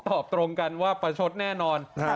ตอบตรงกันว่าประชดแน่นอน